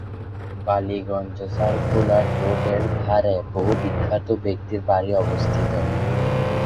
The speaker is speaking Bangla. বালিগঞ্জ সার্কুলার রোডের ধারে বহু বিখ্যাত ব্যক্তির বাড়ি অবস্থিত।